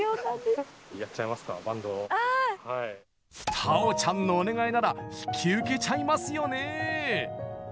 太鳳ちゃんのお願いなら引き受けちゃいますよね。